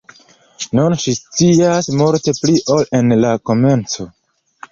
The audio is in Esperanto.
Nun ŝi scias multe pli ol en la komenco.